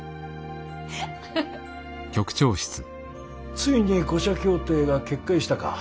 ついに五社協定が決壊したか。